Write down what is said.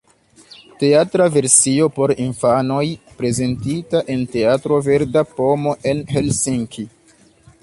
Teatra versio por infanoj, prezentita en teatro Verda Pomo en Helsinki.